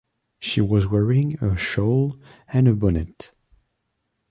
She was wearing a shawl and a bonnet.